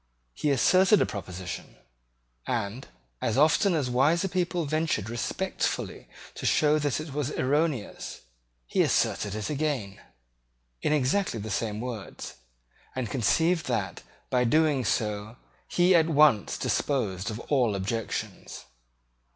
He asserted a proposition; and, as often as wiser people ventured respectfully to show that it was erroneous, he asserted it again, in exactly the same words, and conceived that, by doing so, he at once disposed of all objections.